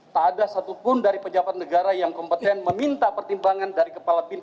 tak ada satupun dari pejabat negara yang kompeten meminta pertimbangan dari kepala bin